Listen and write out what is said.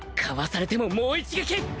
かわされてももう一撃！